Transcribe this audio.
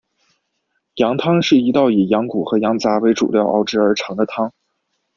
羊汤是一道以羊骨和羊杂为主料熬制而成的汤。